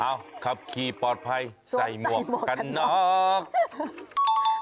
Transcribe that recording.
เอ้าครับขี่ปลอดภัยใส่หมวกกันเนาะ